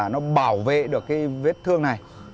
nó bảo vệ được cái vết thương này